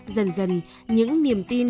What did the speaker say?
dần dần những niềm tin